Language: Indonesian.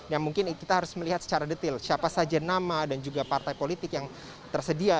yang mungkin kita harus melihat secara detail siapa saja nama dan juga partai politik yang tersedia